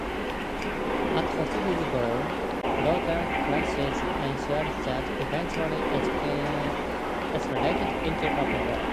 As hostilities grew, broder clashes ensued that eventually escalated into open war.